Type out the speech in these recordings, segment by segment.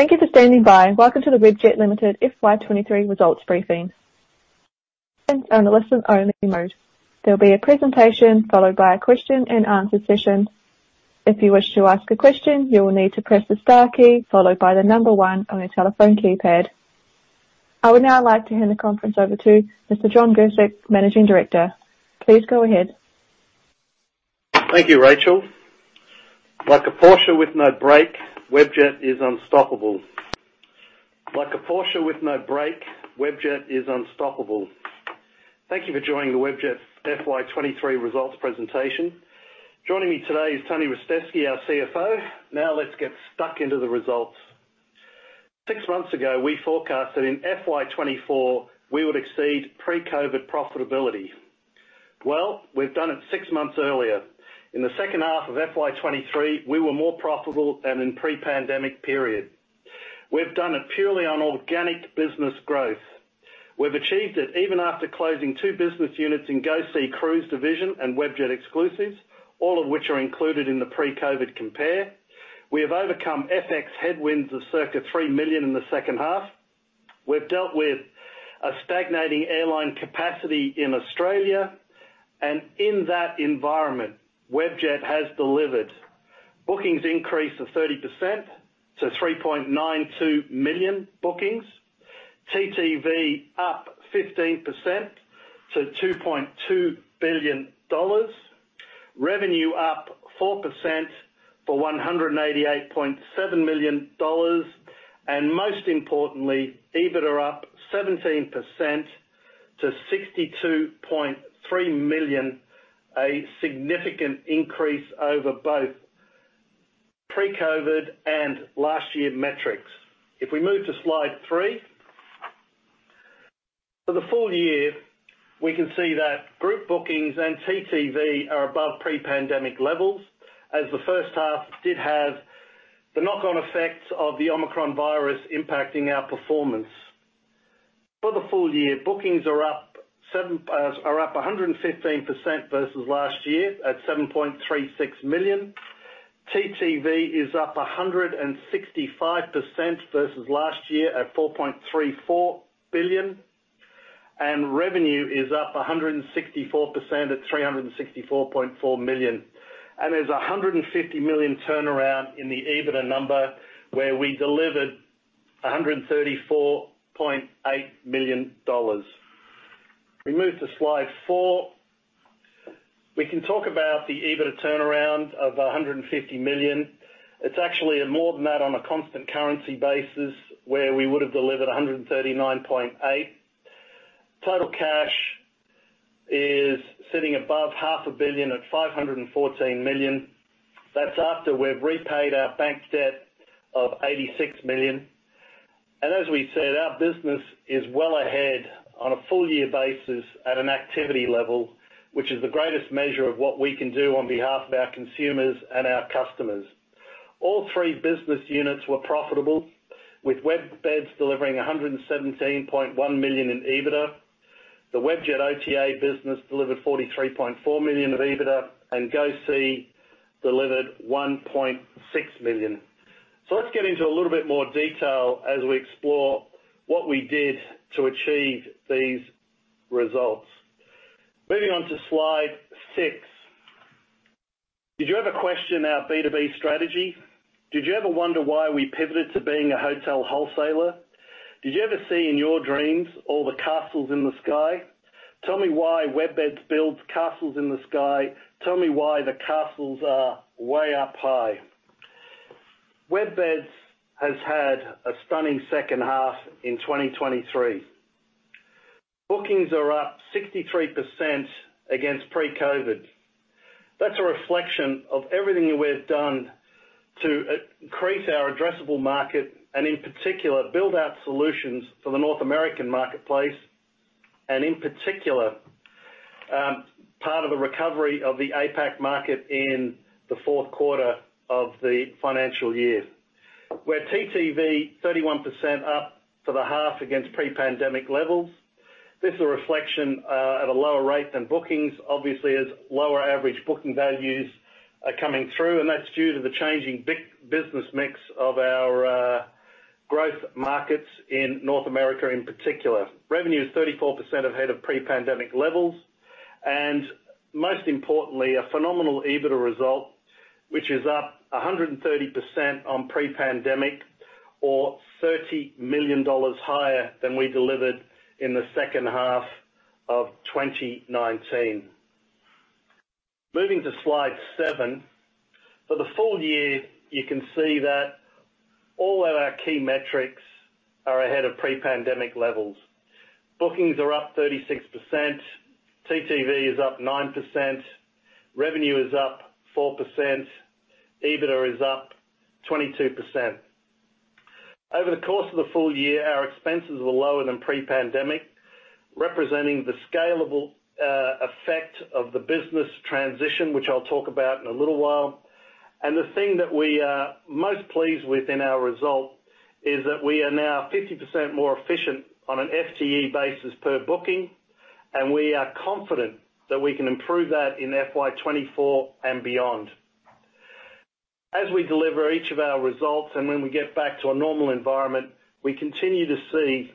Thank you for standing by. Welcome to the Webjet Limited FY 2023 Results Briefing. Participants are in a listen-only mode. There will be a presentation followed by a question-and-answer session. If you wish to ask a question, you will need to press the star key followed by the number one on your telephone keypad. I would now like to hand the conference over to Mr. John Guscic, Managing Director. Please go ahead. Thank you, Rachel. Like a Porsche with no brake, Webjet is unstoppable. Thank you for joining the Webjet FY 2023 results presentation. Joining me today is Tony Ristevski, our CFO. Let's get stuck into the results. Six months ago, we forecasted in FY 2024 we would exceed pre-COVID profitability. We've done it six months earlier. In the second half of FY 2023, we were more profitable than in pre-pandemic period. We've done it purely on organic business growth. We've achieved it even after closing two business units in GoSee Cruise Division and Webjet Exclusives, all of which are included in the pre-COVID compare. We have overcome FX headwinds of circa $3 million in the second half. We've dealt with a stagnating airline capacity in Australia. In that environment, Webjet has delivered bookings increase of 30% to 3.92 million bookings. TTV up 15% to $2.2 billion. Revenue up 4% for $188.7 million. Most importantly, EBITDA up 17% to $62.3 million, a significant increase over both pre-COVID and last year metrics. If we move to Slide 3. For the full year, we can see that group bookings and TTV are above pre-pandemic levels, as the first half did have the knock-on effects of the Omicron virus impacting our performance. For the full year, bookings are up 7 are up 115% versus last year at 7.36 million. TTV is up 165% versus last year at $4.34 billion. Revenue is up 164% at $364.4 million. There's a $150 million turnaround in the EBITDA number, where we delivered $134.8 million. We move to Slide 4. We can talk about the EBITDA turnaround of $150 million. It's actually more than that on a constant currency basis, where we would have delivered $139.8 million. Total cash is sitting above half a billion at $514 million. That's after we've repaid our bank debt of $86 million. As we said, our business is well ahead on a full year basis at an activity level, which is the greatest measure of what we can do on behalf of our consumers and our customers. All three business units were profitable, with WebBeds delivering $117.1 million in EBITDA. The Webjet OTA business delivered $43.4 million of EBITDA, and GoSee delivered $1.6 million. Let's get into a little bit more detail as we explore what we did to achieve these results. Moving on to Slide 6. Did you ever question our B2B strategy? Did you ever wonder why we pivoted to being a hotel wholesaler? Did you ever see in your dreams all the castles in the sky? Tell me why WebBeds builds castles in the sky. Tell me why the castles are way up high. WebBeds has had a stunning second half in 2023. Bookings are up 63% against pre-COVID. That's a reflection of everything we've done to increase our addressable market and in particular build out solutions for the North American marketplace, and in particular, part of a recovery of the APAC market in the fourth quarter of the financial year. We're TTV 31% up for the half against pre-pandemic levels. This is a reflection, at a lower rate than bookings, obviously as lower average booking values are coming through, and that's due to the changing business mix of our growth markets in North America in particular. Revenue is 34% ahead of pre-pandemic levels. Most importantly, a phenomenal EBITDA result, which is up 130% on pre-pandemic or $30 million higher than we delivered in the second half of 2019. Moving to Slide 7. For the full year, you can see that all of our key metrics are ahead of pre-pandemic levels. Bookings are up 36%, TTV is up 9%, revenue is up 4%, EBITDA is up 22%. Over the course of the full year, our expenses were lower than pre-pandemic, representing the scalable effect of the business transition, which I'll talk about in a little while. The thing that we are most pleased with in our result is that we are now 50% more efficient on an FTE basis per booking. We are confident that we can improve that in FY 2024 and beyond. As we deliver each of our results and when we get back to a normal environment, we continue to see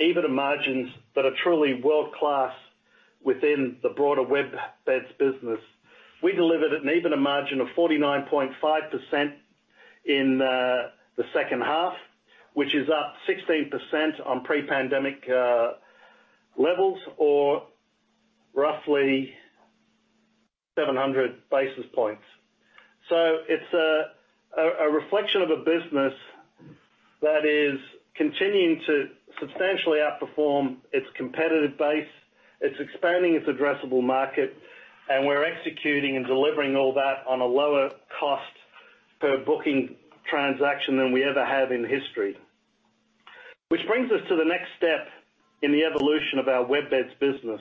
EBITDA margins that are truly world-class within the broader WebBeds business. We delivered an EBITDA margin of 49.5% in the second half, which is up 16% on pre-pandemic levels or roughly 700 basis points. It's a reflection of a business that is continuing to substantially outperform its competitive base. It's expanding its addressable market, and we're executing and delivering all that on a lower cost per booking transaction than we ever have in history. Which brings us to the next step in the evolution of our WebBeds business.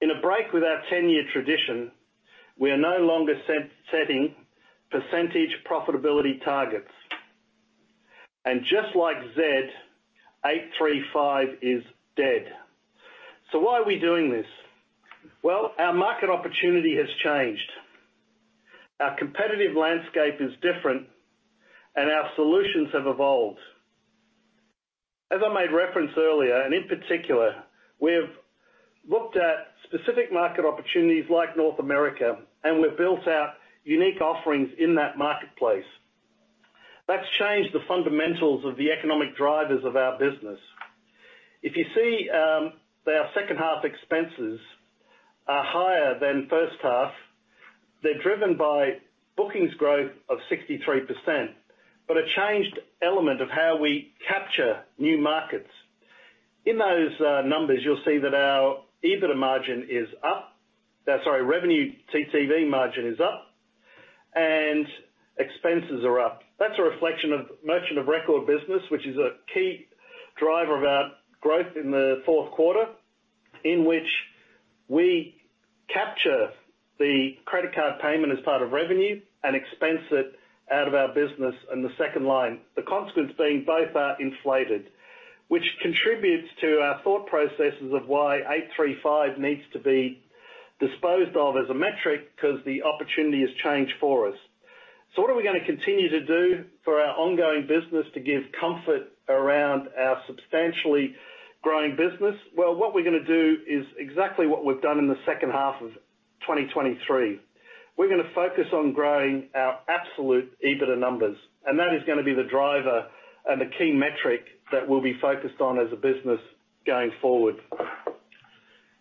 In a break with our 10-year tradition, we are no longer set-setting percentage profitability targets. Just like Z, 8/3/5 is dead. Why are we doing this? Well, our market opportunity has changed. Our competitive landscape is different, and our solutions have evolved. As I made reference earlier, in particular, we have looked at specific market opportunities like North America, and we've built our unique offerings in that marketplace. That's changed the fundamentals of the economic drivers of our business. If you see, that our second half expenses are higher than first half, they're driven by bookings growth of 63%, a changed element of how we capture new markets. In those numbers, you'll see that our EBITDA margin is up. Sorry, revenue TTV margin is up and expenses are up. That's a reflection of Merchant of Record business, which is a key driver of our growth in the fourth quarter, in which we capture the credit card payment as part of revenue and expense it out of our business in the second line. The consequence being both are inflated, which contributes to our thought processes of why 8/3/5 needs to be disposed of as a metric because the opportunity has changed for us. What are we going to continue to do for our ongoing business to give comfort around our substantially growing business? Well, what we're going to do is exactly what we've done in the second half of 2023. We're going to focus on growing our absolute EBITDA numbers, and that is going to be the driver and the key metric that we'll be focused on as a business going forward.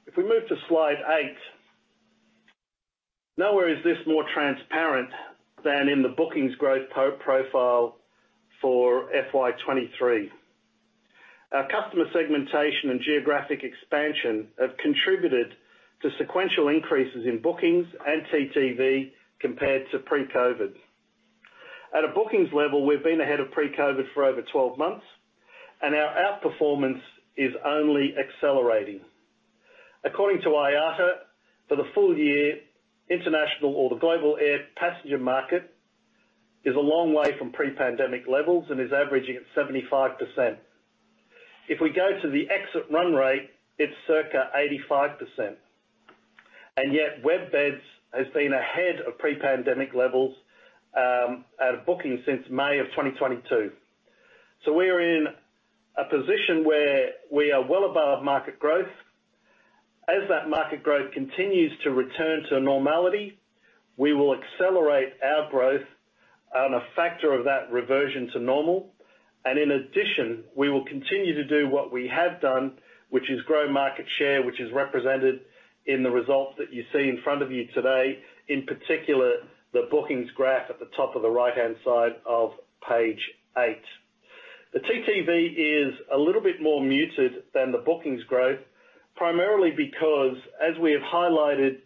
If we move to Slide 8. Nowhere is this more transparent than in the bookings growth profile for FY 2023. Our customer segmentation and geographic expansion have contributed to sequential increases in bookings and TTV compared to pre-COVID. At a bookings level, we've been ahead of pre-COVID for over 12 months, and our outperformance is only accelerating. According to IATA, for the full year, international or the global air passenger market is a long way from pre-pandemic levels and is averaging at 75%. If we go to the exit run rate, it's circa 85%. Yet WebBeds has been ahead of pre-pandemic levels, at a booking since May of 2022. We are in a position where we are well above market growth. As that market growth continues to return to normality, we will accelerate our growth on a factor of that reversion to normal. In addition, we will continue to do what we have done, which is grow market share, which is represented in the results that you see in front of you today, in particular, the bookings graph at the top of the right-hand side of Page 8. The TTV is a little bit more muted than the bookings growth, primarily because, as we have highlighted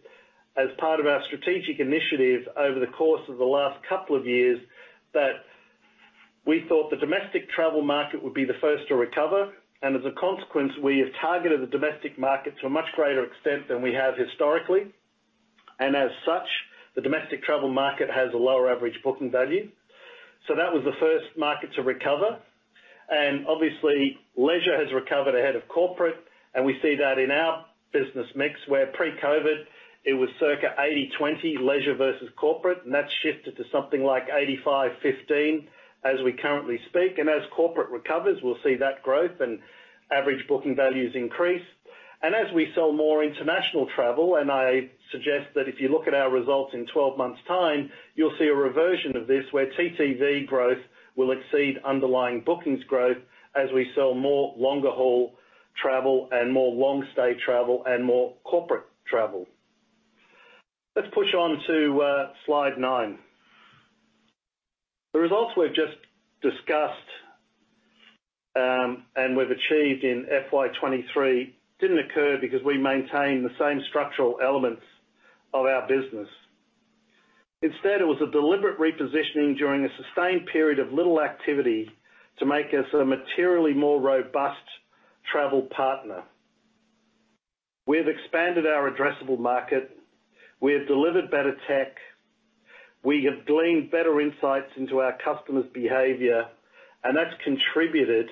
as part of our strategic initiative over the course of the last couple of years, that we thought the domestic travel market would be the first to recover. As a consequence, we have targeted the domestic market to a much greater extent than we have historically. As such, the domestic travel market has a lower average booking value. That was the first market to recover. Obviously, leisure has recovered ahead of corporate, and we see that in our business mix, where pre-COVID, it was circa 80/20, leisure versus corporate, and that's shifted to something like 85/15 as we currently speak. As corporate recovers, we'll see that growth and average booking values increase. As we sell more international travel, I suggest that if you look at our results in 12 months' time, you'll see a reversion of this where TTV growth will exceed underlying bookings growth as we sell more longer-haul travel and more long-stay travel and more corporate travel. Let's push on to Slide 9. The results we've just discussed, and we've achieved in FY 2023 didn't occur because we maintained the same structural elements of our business. Instead, it was a deliberate repositioning during a sustained period of little activity to make us a materially more robust travel partner. We have expanded our addressable market. We have delivered better tech. We have gleaned better insights into our customers' behavior, and that's contributed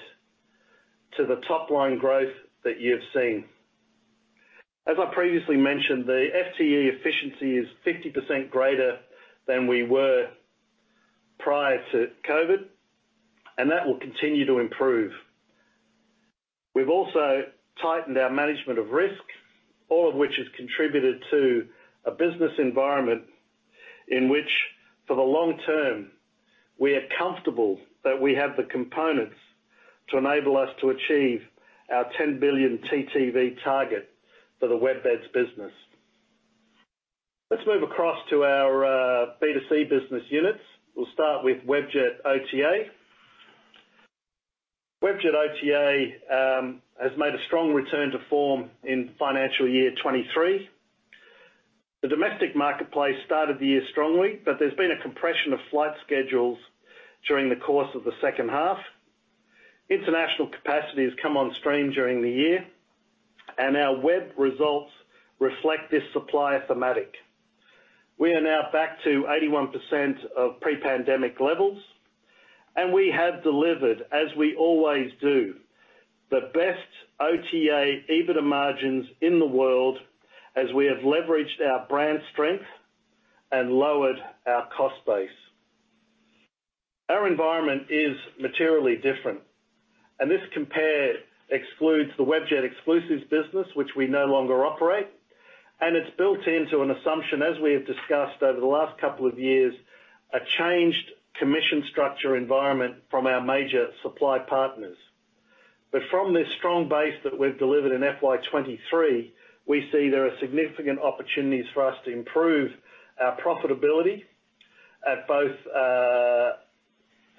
to the top-line growth that you've seen. As I previously mentioned, the FTE efficiency is 50% greater than we were prior to COVID, and that will continue to improve. We've also tightened our management of risk, all of which has contributed to a business environment in which, for the long term, we are comfortable that we have the components to enable us to achieve our $10 billion TTV target for the WebBeds business. Let's move across to our B2C business units. We'll start with Webjet OTA. Webjet OTA has made a strong return to form in financial year 2023. The domestic marketplace started the year strongly, but there's been a compression of flight schedules during the course of the second half. International capacity has come on stream during the year, and our web results reflect this supply thematic. We are now back to 81% of pre-pandemic levels, and we have delivered, as we always do, the best OTA EBITDA margins in the world as we have leveraged our brand strength and lowered our cost base. Our environment is materially different, and this compare excludes the Webjet Exclusives business which we no longer operate. It's built into an assumption, as we have discussed over the last couple of years, a changed commission structure environment from our major supply partners. From this strong base that we've delivered in FY 2023, we see there are significant opportunities for us to improve our profitability at both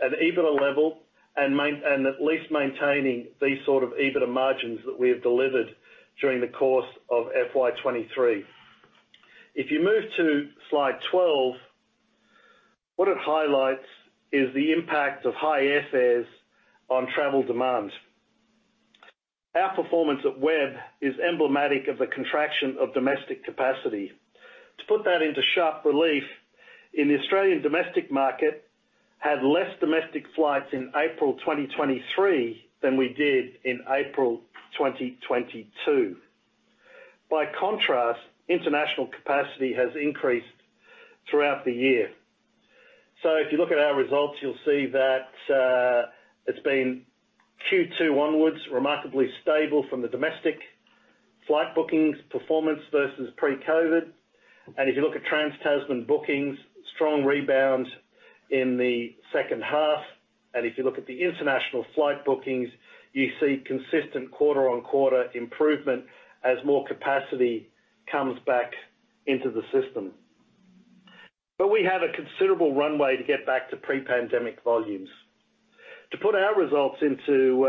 an EBITDA level and at least maintaining these sort of EBITDA margins that we have delivered during the course of FY 2023. If you move to Slide 12, what it highlights is the impact of high airfares on travel demand. Our performance at Web is emblematic of the contraction of domestic capacity. To put that into sharp relief, in the Australian domestic market had less domestic flights in April 2023 than we did in April 2022. International capacity has increased throughout the year. If you look at our results, you'll see that it's been Q2 onwards, remarkably stable from the domestic flight bookings performance versus pre-COVID. If you look at Trans-Tasman bookings, strong rebounds in the second half. If you look at the international flight bookings, you see consistent quarter-on-quarter improvement as more capacity comes back into the system. We have a considerable runway to get back to pre-pandemic volumes. To put our results into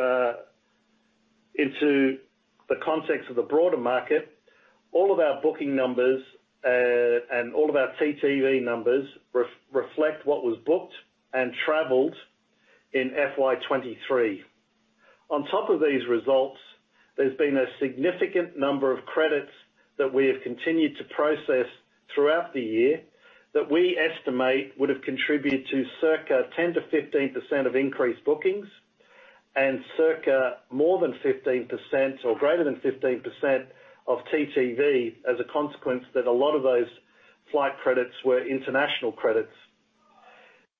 the context of the broader market, all of our booking numbers and all of our TTV numbers reflect what was booked and traveled in FY 2023. On top of these results, there's been a significant number of credits that we have continued to process throughout the year that we estimate would have contributed to circa 10%-15% of increased bookings and circa more than 15% or greater than 15% of TTV as a consequence that a lot of those flight credits were international credits.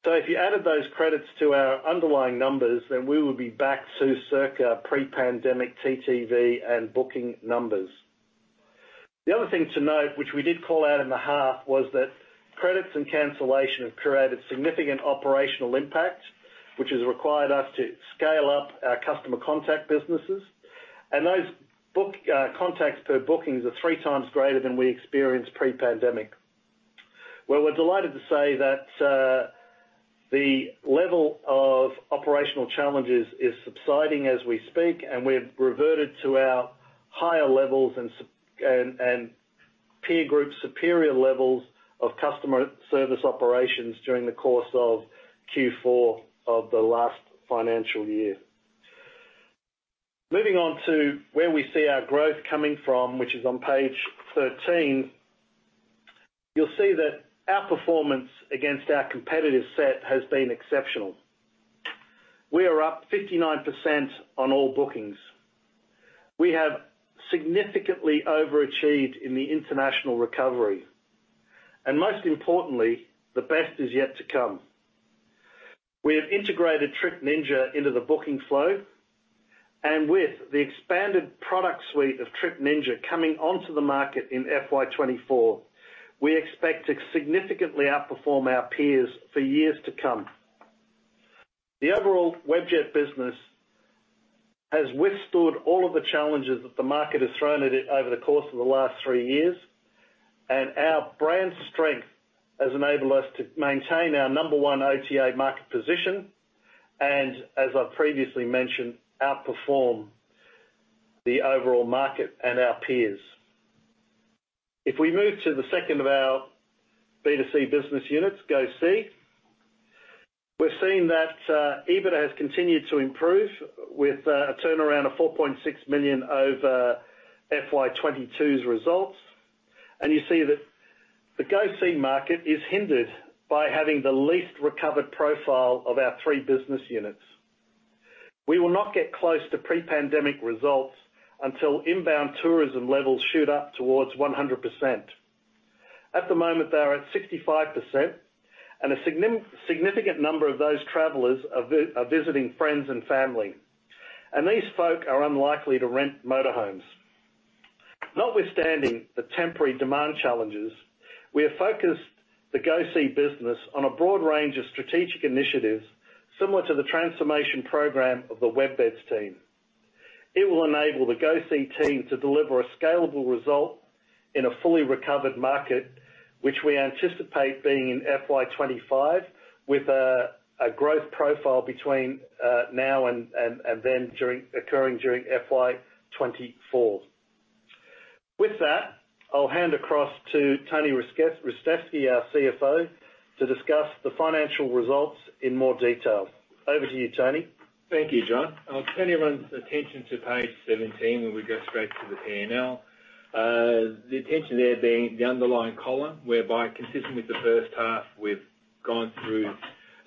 If you added those credits to our underlying numbers, then we would be back to circa pre-pandemic TTV and booking numbers. The other thing to note, which we did call out in the half, was that credits and cancellation have created significant operational impact, which has required us to scale up our customer contact businesses. Those book contacts per bookings are 3x greater than we experienced pre-pandemic. We're delighted to say that the level of operational challenges is subsiding as we speak, and we've reverted to our higher levels and peer group superior levels of customer service operations during the course of Q4 of the last financial year. Moving on to where we see our growth coming from, which is on Page 13, you'll see that our performance against our competitive set has been exceptional. We are up 59% on all bookings. We have significantly overachieved in the international recovery. Most importantly, the best is yet to come. We have integrated Trip Ninja into the booking flow, and with the expanded product suite of Trip Ninja coming onto the market in FY 2024, we expect to significantly outperform our peers for years to come. The overall Webjet business has withstood all of the challenges that the market has thrown at it over the course of the last three years, and our brand strength has enabled us to maintain our number-one OTA market position, and as I've previously mentioned, outperform the overall market and our peers. If we move to the second of our B2C business units, GoSee. We're seeing that EBITDA has continued to improve with a turnaround of $4.6 million over FY 2022's results. You see that the GoSee market is hindered by having the least recovered profile of our three business units. We will not get close to pre-pandemic results until inbound tourism levels shoot up towards 100%. At the moment, they are at 65%, and a significant number of those travelers are visiting friends and family, and these folk are unlikely to rent motor homes. Notwithstanding the temporary demand challenges, we have focused the GoSee business on a broad range of strategic initiatives, similar to the transformation program of the WebBeds team. It will enable the GoSee team to deliver a scalable result in a fully recovered market, which we anticipate being in FY 2025, with a growth profile between now and then occurring during FY 2024. With that, I'll hand across to Tony Ristevski, our CFO, to discuss the financial results in more detail. Over to you, Tony. Thank you, John. I'll turn everyone's attention to Page 17, where we go straight to the P&L. The attention there being the underlying column whereby, consistent with the first half, we've gone through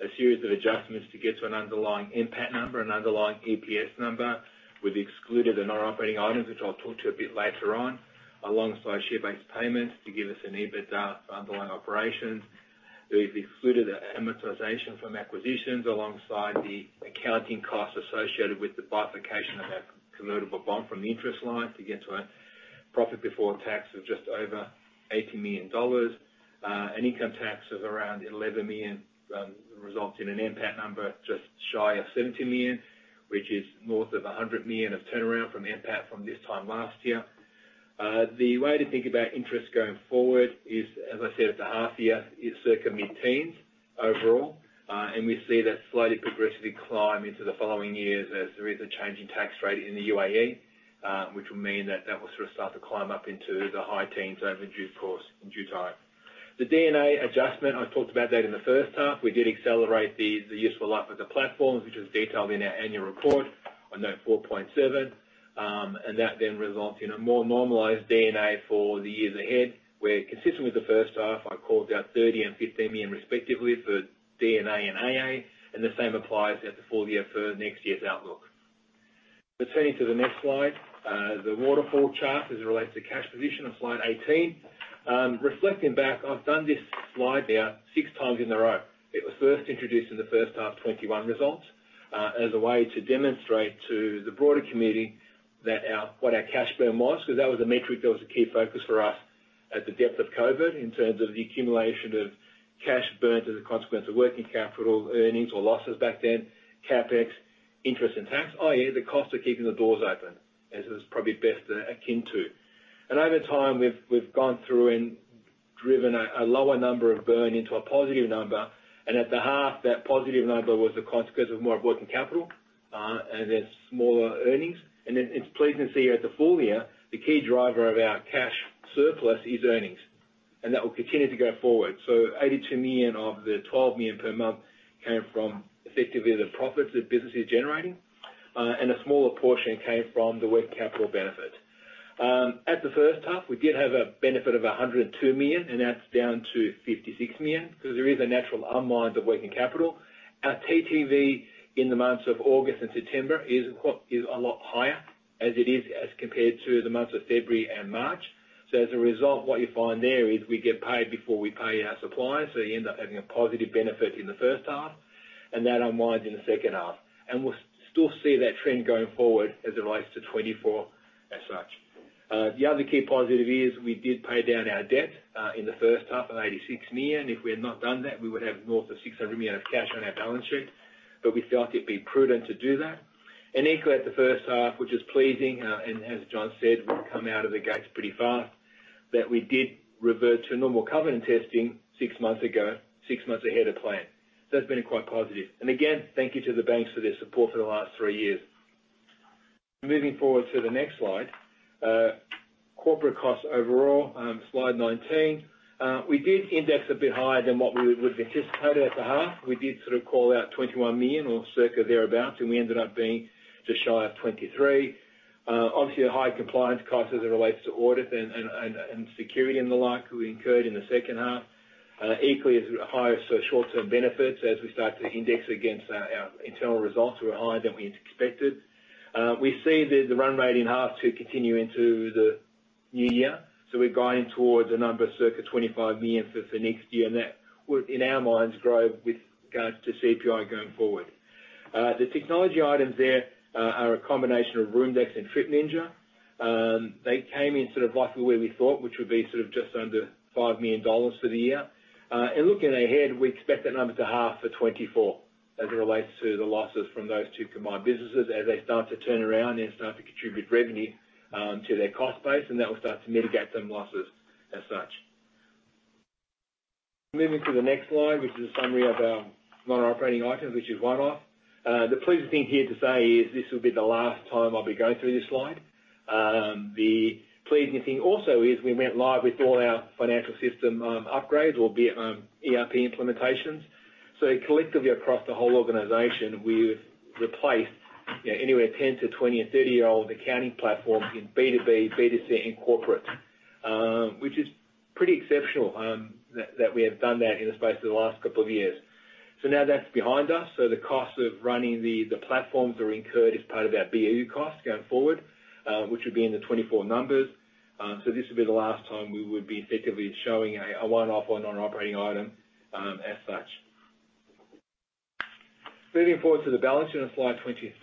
a series of adjustments to get to an underlying NPAT number, an underlying EPS number. We've excluded the non-operating items, which I'll talk to a bit later on, alongside share-based payments to give us an EBITDA for underlying operations. We've excluded amortization from acquisitions alongside the accounting costs associated with the bifurcation of our convertible bond from the interest line to get to a profit before tax of just over $80 million, and income tax of around $11 million, results in an NPAT number just shy of $70 million, which is north of $100 million of turnaround from NPAT from this time last year. The way to think about interest going forward is, as I said at the half year, is circa mid-teens overall. We see that slightly progressively climb into the following years as there is a change in tax rate in the UAE, which will mean that that will sort of start to climb up into the high teens over due course, in due time. The DNA adjustment, I talked about that in the first half. We did accelerate the useful life of the platforms, which was detailed in our annual report on note 4.7. That then results in a more normalized DNA for the years ahead, where consistent with the first half, I called out $30 million and $15 million respectively for DNA and AA, and the same applies at the full year for next year's outlook. Turning to the next slide, the waterfall chart as it relates to cash position on Slide 18. Reflecting back, I've done this slide now 6x in a row. It was first introduced in the first half 2021 results, as a way to demonstrate to the broader committee what our cash burn was, 'cause that was a metric that was a key focus for us at the depth of COVID in terms of the accumulation of cash burnt as a consequence of working capital earnings or losses back then, CapEx, interest and tax, i.e. the cost of keeping the doors open, as it was probably best akin to. Over time we've gone through and driven a lower number of burn into a positive number, and at the half, that positive number was a consequence of more working capital and then smaller earnings. It's pleasing to see here at the full year, the key driver of our cash surplus is earnings, and that will continue to go forward. $82 million of the $12 million per month came from effectively the profits the business is generating, and a smaller portion came from the working capital benefit. At the first half, we did have a benefit of $102 million, and that's down to $56 million because there is a natural unwind of working capital. Our TTV in the months of August and September is a lot higher as it is as compared to the months of February and March. As a result, what you find there is we get paid before we pay our suppliers, so you end up having a positive benefit in the first half and that unwinds in the second half. We'll still see that trend going forward as it relates to 2024 as such. The other key positive is we did pay down our debt in the first half of $86 million. If we had not done that, we would have north of $600 million of cash on our balance sheet. We felt it'd be prudent to do that. Equally at the first half, which is pleasing, and as John said, we've come out of the gates pretty fast, that we did revert to normal covenant testing six months ago, six months ahead of plan. That's been quite positive. Again, thank you to the banks for their support for the last three years. Moving forward to the next slide, corporate costs overall, Slide 19. We did index a bit higher than what we would've anticipated at the half. We did sort of call out $21 million or circa thereabout, and we ended up being just shy of $23 million. Obviously a high compliance cost as it relates to audit and security and the like we incurred in the second half. Equally as higher short-term benefits as we start to index against our internal results were higher than we expected. We see the run rate in half to continue into the new year. We're guiding towards a number circa $25 million for the next year, and that will in our minds grow with regards to CPI going forward. The technology items there are a combination of Roomex and Trip Ninja. They came in sort of roughly where we thought, which would be sort of just under $5 million for the year. Looking ahead, we expect that number to half for 2024 as it relates to the losses from those two combined businesses as they start to turn around and start to contribute revenue to their cost base, and that will start to mitigate them losses as such. Moving to the next slide, which is a summary of our non-operating items, which is one-off. The pleasing thing here to say is this will be the last time I'll be going through this slide. The pleasing thing also is we went live with all our financial system upgrades, or be ERP implementations. Collectively across the whole organization, we've replaced, you know, anywhere 10- to 20-year, 30-year-old accounting platforms in B2B, B2C and corporate. Which is pretty exceptional that we have done that in the space of the last couple of years. Now that's behind us. The cost of running the platforms are incurred as part of our BU cost going forward, which would be in the 2024 numbers. This will be the last time we would be effectively showing a one-off or non-operating item as such. Moving forward to the balance sheet on Slide 23.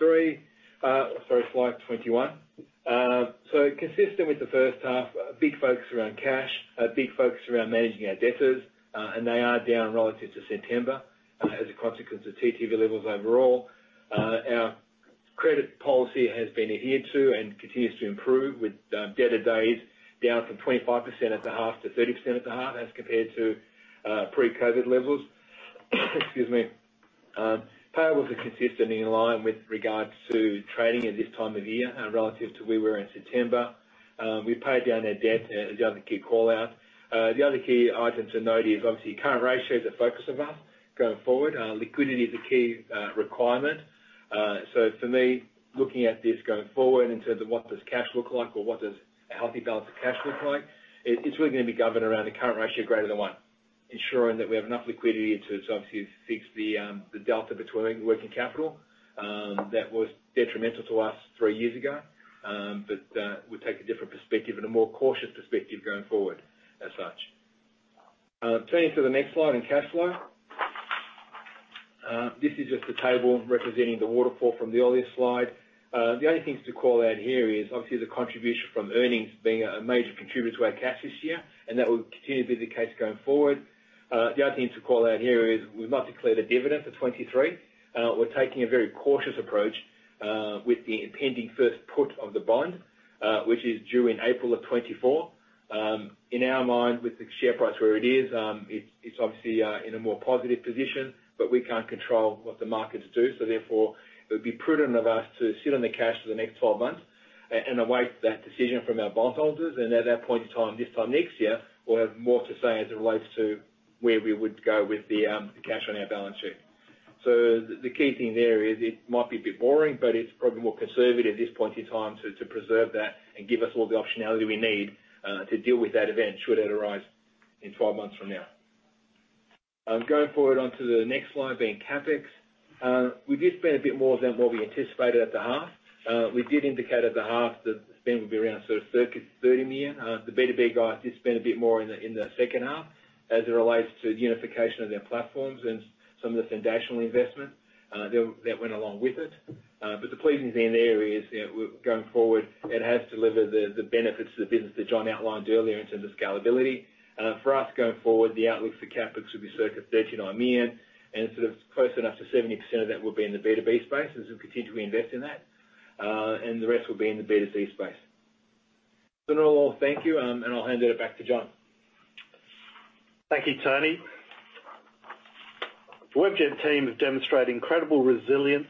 Sorry, Slide 21. Consistent with the first half, a big focus around cash, a big focus around managing our debtors, they are down relative to September as a consequence of TTV levels overall. Our credit policy has been adhered to and continues to improve with debtor days down from 25% at the half to 30% at the half as compared to pre-COVID levels. Excuse me. Payables are consistently in line with regards to trading at this time of year relative to where we were in September. We paid down our debt, the other key call-out. The other key items to note is obviously current ratio is a focus of us going forward. Liquidity is a key requirement. For me, looking at this going forward in terms of what does cash look like or what does a healthy balance of cash look like, it's really gonna be governed around a current ratio greater than one. Ensuring that we have enough liquidity to obviously fix the delta between working capital, that was detrimental to us three years ago. We take a different perspective and a more cautious perspective going forward as such. Turning to the next slide on cash flow. This is just a table representing the waterfall from the earlier slide. The only things to call out here is obviously the contribution from earnings being a major contributor to our cash this year, and that will continue to be the case going forward. The other thing to call out here is we've not declared a dividend for 2023. We're taking a very cautious approach with the impending first put of the bond, which is due in April of 24. In our mind, with the share price where it is, it's obviously in a more positive position, but we can't control what the markets do. Therefore, it would be prudent of us to sit on the cash for the next 12 months and await that decision from our bondholders. At that point in time, this time next year, we'll have more to say as it relates to where we would go with the cash on our balance sheet. The key thing there is it might be a bit boring, but it's probably more conservative at this point in time to preserve that and give us all the optionality we need to deal with that event should it arise in 12 months from now. Going forward onto the next slide being CapEx. We did spend a bit more than what we anticipated at the half. We did indicate at the half that spend would be around sort of circa $30 million. The B2B guys did spend a bit more in the second half as it relates to the unification of their platforms and some of the foundational investment that went along with it. The pleasing thing there is, you know, going forward, it has delivered the benefits to the business that John outlined earlier in terms of scalability. For us going forward, the outlook for CapEx will be circa $39 million, close enough to 70% of that will be in the B2B space as we continually invest in that. The rest will be in the B2C space. In all, thank you, I'll hand it back to John. Thank you, Tony. The Webjet team has demonstrated incredible resilience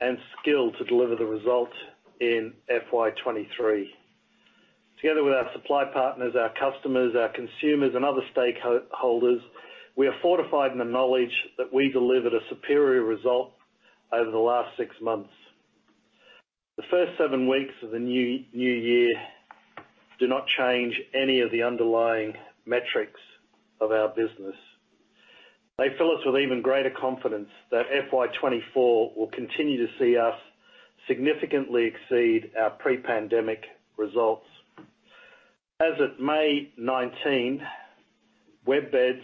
and skill to deliver the results in FY 2023. Together with our supply partners, our customers, our consumers, and other stakeholders, we are fortified in the knowledge that we delivered a superior result over the last six months. The first seven weeks of the new year do not change any of the underlying metrics of our business. They fill us with even greater confidence that FY 2024 will continue to see us significantly exceed our pre-pandemic results. As of May 19, WebBeds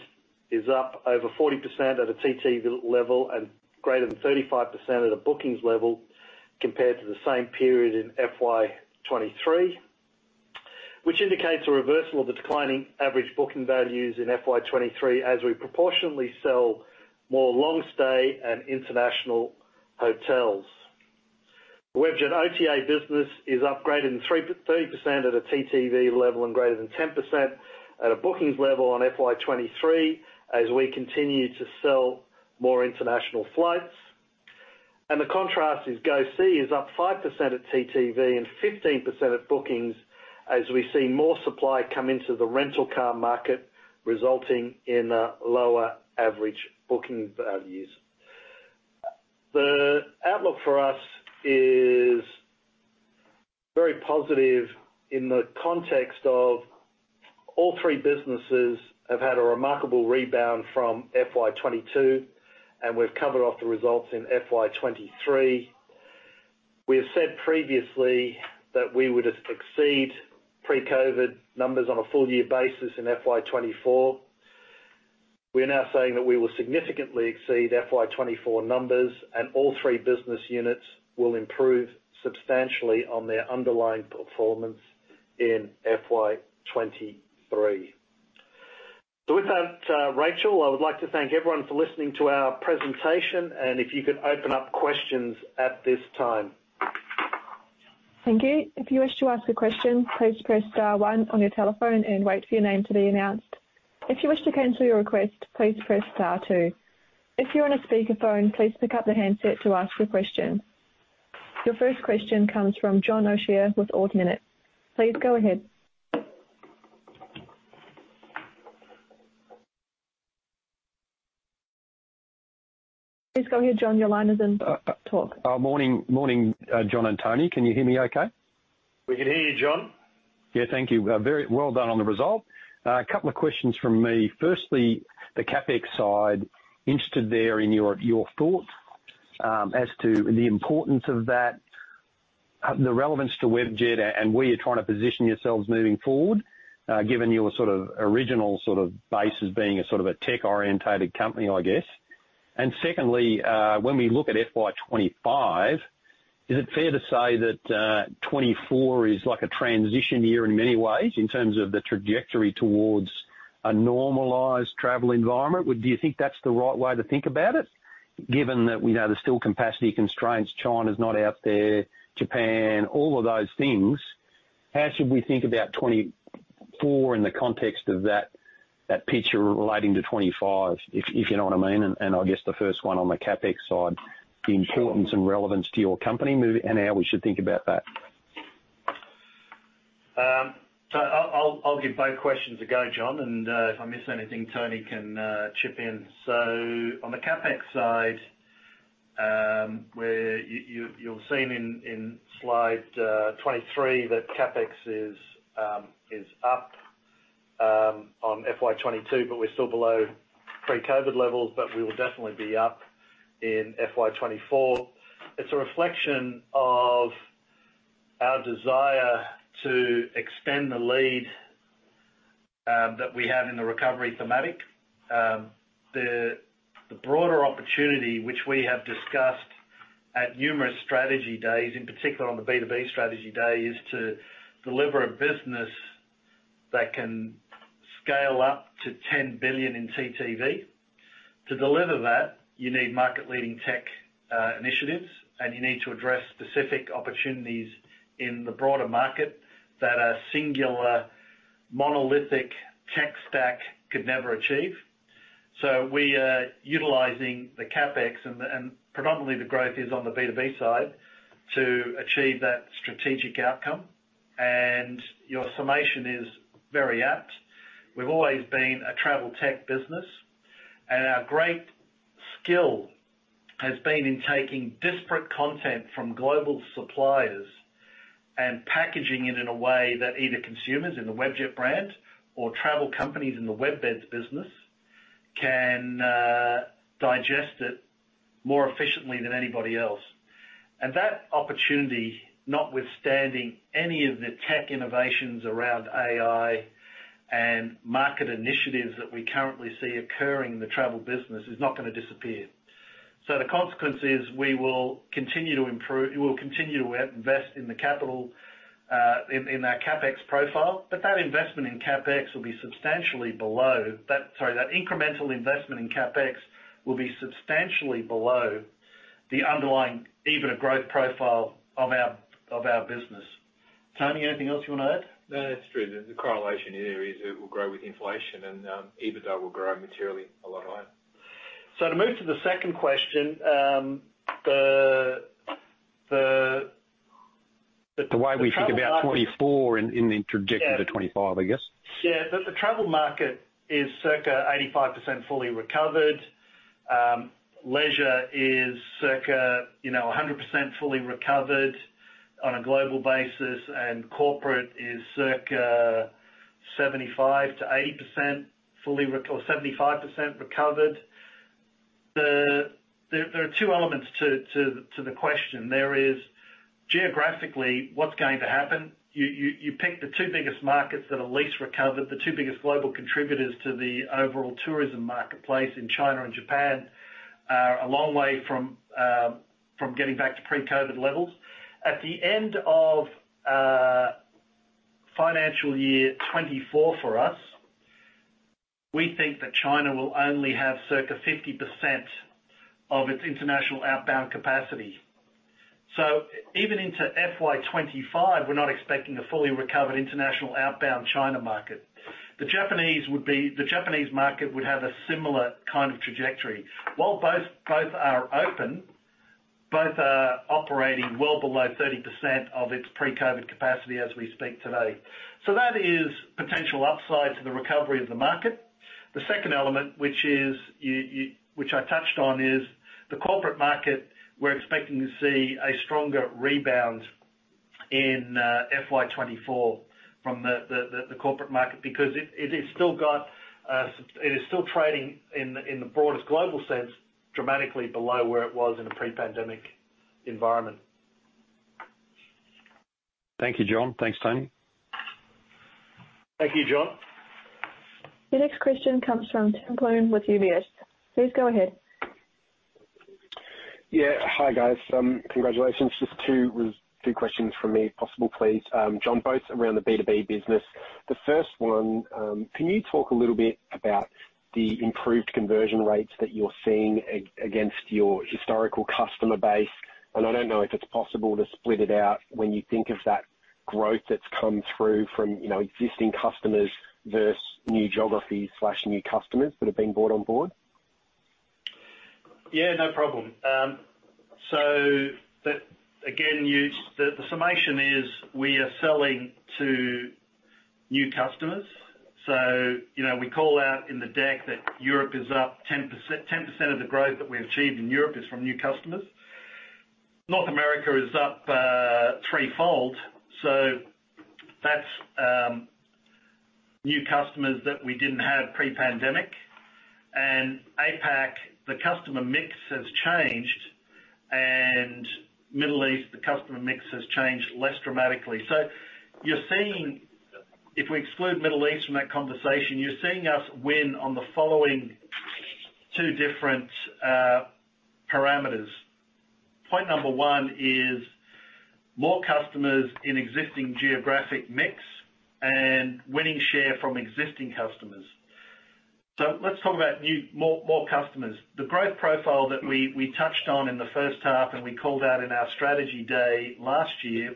is up over 40% at a TTV level and greater than 35% at a bookings level compared to the same period in FY 2023, which indicates a reversal of the declining average booking values in FY 2023 as we proportionately sell more long stay and international hotels. The Webjet OTA business is up greater than 30% at a TTV level and greater than 10% at a bookings level on FY 2023 as we continue to sell more international flights. The contrast is GoSee is up 5% at TTV and 15% at bookings as we see more supply come into the rental car market, resulting in lower average booking values. The outlook for us is very positive in the context of all three businesses have had a remarkable rebound from FY 2022, and we've covered off the results in FY 2023. We have said previously that we would exceed pre-COVID numbers on a full year basis in FY 2024. We are now saying that we will significantly exceed FY 2024 numbers and all three business units will improve substantially on their underlying performance in FY 2023. With that, Rachel, I would like to thank everyone for listening to our presentation and if you could open up questions at this time. Thank you. If you wish to ask a question, please press star one on your telephone and wait for your name to be announced. If you wish to cancel your request, please press star two. If you're on a speakerphone, please pick up the handset to ask your question. Your first question comes from John O'Shea with Ord Minnett. Please go ahead. Please go ahead, John. Your line is in. Talk. Morning, John and Tony. Can you hear me okay? We can hear you, John. Yeah. Thank you. Very well done on the result. A couple of questions from me. Firstly, the CapEx side, interested there in your thoughts as to the importance of that, the relevance to Webjet and where you're trying to position yourselves moving forward, given your, sort of, original, sort of, base as being a, sort of, a tech-oriented company, I guess. Secondly, when we look at FY 2025, is it fair to say that 2024 is like a transition year in many ways in terms of the trajectory towards a normalized travel environment? Do you think that's the right way to think about it, given that we know there's still capacity constraints, China's not out there, Japan, all of those things? How should we think about 2024 in the context of that picture relating to 2025? If you know what I mean. I guess the first one on the CapEx side, the importance and relevance to your company and how we should think about that. I'll give both questions a go, John, and if I miss anything, Tony can chip in. On the CapEx side, where you're seeing in Slide 23 that CapEx is up on FY 2022, but we're still below pre-COVID levels, but we will definitely be up in FY 2024. It's a reflection of our desire to extend the lead that we have in the recovery thematic. The broader opportunity which we have discussed at numerous strategy days, in particular on the B2B strategy day, is to deliver a business that can scale up to 10 billion in TTV. To deliver that, you need market-leading tech initiatives, and you need to address specific opportunities in the broader market that a singular, monolithic tech stack could never achieve. We are utilizing the CapEx, and predominantly the growth is on the B2B side, to achieve that strategic outcome. Your summation is very apt. We've always been a travel tech business, and our great skill has been in taking disparate content from global suppliers and packaging it in a way that either consumers in the Webjet brand or travel companies in the WebBeds business can digest it more efficiently than anybody else. That opportunity, notwithstanding any of the tech innovations around AI and market initiatives that we currently see occurring in the travel business, is not gonna disappear. The consequence is we will continue to invest in the capital, in our CapEx profile, but that investment in CapEx will be substantially below... Sorry, that incremental investment in CapEx will be substantially below the underlying EBITDA growth profile of our business. Tony, anything else you wanna add? No, that's true. The correlation area is it will grow with inflation and EBITDA will grow materially a lot higher. to move to the second question. The way we think about 2024 in the trajectory to 2025, I guess. The travel market is circa 85% fully recovered. Leisure is circa, you know, 100% fully recovered on a global basis, and corporate is circa 75%-80% fully recovered or 75% recovered. There are two elements to the question. There is geographically, what's going to happen? You pick the two biggest markets that are least recovered, the two biggest global contributors to the overall tourism marketplace in China and Japan are a long way from getting back to pre-COVID levels. At the end of financial year 2024 for us, we think that China will only have circa 50% of its international outbound capacity. Even into FY 2025, we're not expecting a fully recovered international outbound China market. The Japanese market would have a similar kind of trajectory. While both are open, both are operating well below 30% of its pre-COVID capacity as we speak today. That is potential upside to the recovery of the market. The second element, which is, which I touched on, is the corporate market. We're expecting to see a stronger rebound in FY 2024 from the corporate market because it is still trading in the broadest global sense, dramatically below where it was in a pre-pandemic environment. Thank you, John. Thanks, Tony. Thank you, John. Your next question comes from Tim Plumbe with UBS. Please go ahead. Yeah. Hi, guys. Congratulations. Just two questions from me, if possible, please. John, both around the B2B business. The first one, can you talk a little bit about the improved conversion rates that you're seeing against your historical customer base? I don't know if it's possible to split it out when you think of that growth that's come through from, you know, existing customers versus new geographies/new customers that have been brought on board? Yeah, no problem. Again, the summation is we are selling to new customers. You know, we call out in the deck that Europe is up 10%. 10% of the growth that we achieved in Europe is from new customers. North America is up threefold. That's new customers that we didn't have pre-pandemic. APAC, the customer mix has changed, and Middle East, the customer mix has changed less dramatically. If we exclude Middle East from that conversation, you're seeing us win on the following two different parameters. Point number one is more customers in existing geographic mix and winning share from existing customers. Let's talk about more customers. The growth profile that we touched on in the first half, and we called out in our strategy day last year,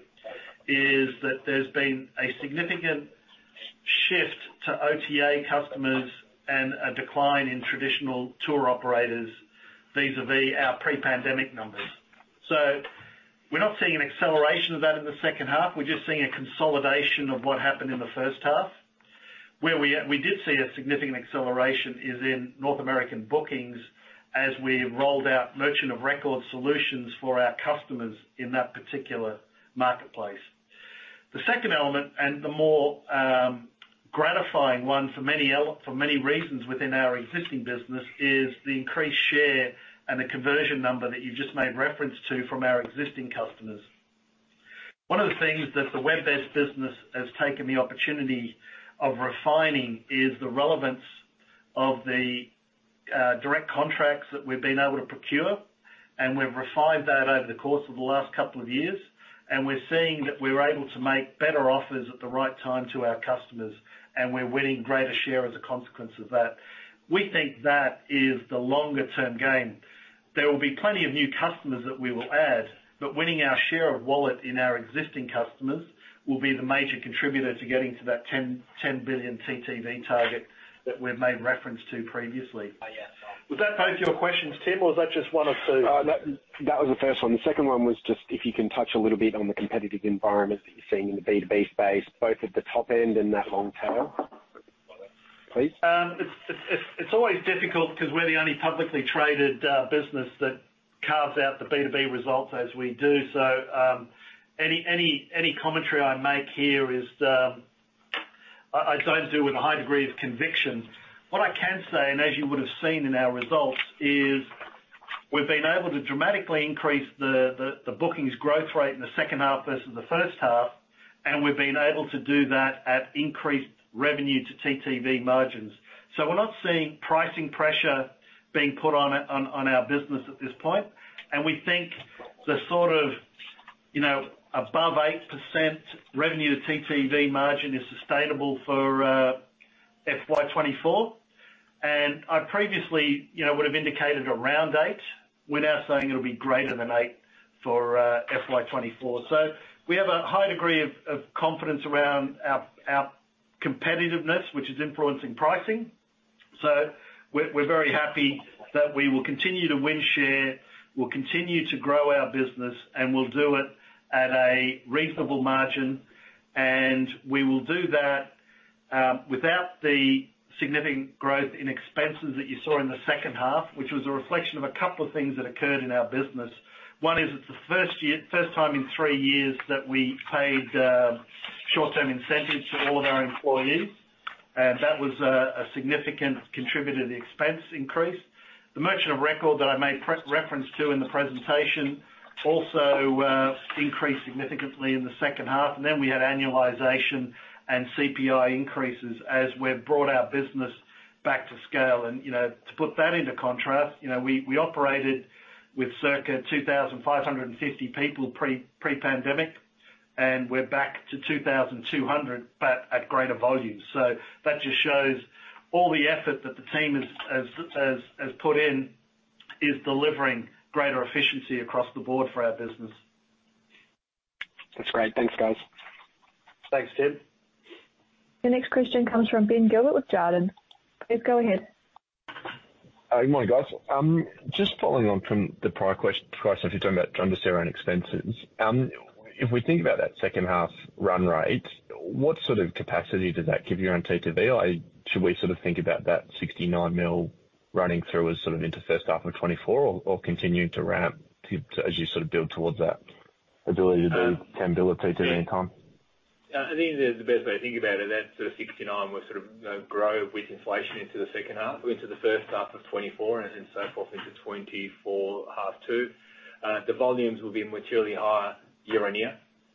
is that there's been a significant shift to OTA customers and a decline in traditional tour operators vis-a-vis our pre-pandemic numbers. We're not seeing an acceleration of that in the second half. We're just seeing a consolidation of what happened in the first half. Where we did see a significant acceleration is in North American bookings as we rolled out Merchant of Record solutions for our customers in that particular marketplace. The second element, and the more gratifying one for many reasons within our existing business, is the increased share and the conversion number that you just made reference to from our existing customers. One of the things that the Webjet business has taken the opportunity of refining is the relevance of the direct contracts that we've been able to procure. We've refined that over the course of the last couple of years. We're seeing that we're able to make better offers at the right time to our customers. We're winning greater share as a consequence of that. We think that is the longer-term gain. There will be plenty of new customers that we will add, but winning our share of wallet in our existing customers will be the major contributor to getting to that 10 billion TTV target that we've made reference to previously. Was that both your questions, Tim, or was that just one of two? That was the first one. The second one was just if you can touch a little bit on the competitive environment that you're seeing in the B2B space, both at the top end and that long tail, please. It's always difficult because we're the only publicly traded business that carves out the B2B results as we do. Any commentary I make here is, I don't do with a high degree of conviction. What I can say, and as you would have seen in our results, is we've been able to dramatically increase the bookings growth rate in the second half versus the first half, and we've been able to do that at increased Revenue TTV margins. We're not seeing pricing pressure being put on our business at this point. We think the sort of, you know, above 8% Revenue TTV margin is sustainable for FY 2024. I previously, you know, would've indicated around eight. We're now saying it'll be greater than 80 for FY 2024. We have a high degree of confidence around our competitiveness, which is influencing pricing. We're very happy that we will continue to win share, we'll continue to grow our business, and we'll do it at a reasonable margin. We will do that without the significant growth in expenses that you saw in the second half, which was a reflection of a couple of things that occurred in our business. One is it's the first time in three years that we paid short-term incentives to all of our employees, and that was a significant contributor to the expense increase. The Merchant of Record that I made reference to in the presentation also increased significantly in the second half. We had annualization and CPI increases as we've brought our business back to scale. You know, to put that into contrast, you know, we operated with circa 2,550 people pre-pandemic, and we're back to 2,200, but at greater volume. That just shows all the effort that the team has put in is delivering greater efficiency across the board for our business. That's great. Thanks, guys. Thanks, Tim. The next question comes from Ben Gilbert with Jarden. Please go ahead. Good morning, guys. Just following on from the prior stuff you're talking about, trying to understand around expenses. If we think about that second half run rate, what sort of capacity does that give you on TTV? Like, should we sort of think about that 69 million running through as sort of into first half of 2024 or continuing to ramp as you sort of build towards that ability to do 10 billion at TTV in time? I think the best way to think about it, that sort of 69 will sort of grow with inflation into the second half, or into the first half of 2024, and so forth into 2024 half two. The volumes will be materially higher year-on-year,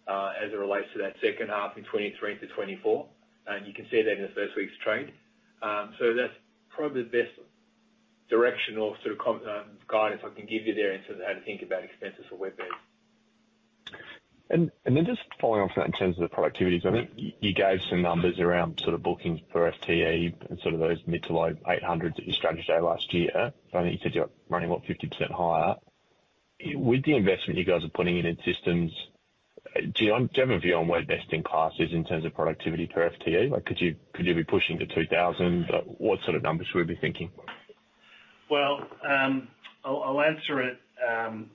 as it relates to that second half in 2023-2024. You can see that in the first week's trade. That's probably the best directional sort of guidance I can give you there in terms of how to think about expenses for Webjet. Then just following on from that in terms of the productivity. I think you gave some numbers around sort of bookings for FTE and sort of those mid to low 800s at your strategy day last year. I think you said you're running, what, 50% higher? With the investment you guys are putting in systems, do you have a view on where best in class is in terms of productivity per FTE? Like, could you be pushing to 2,000? What sort of numbers should we be thinking? Well, I'll answer it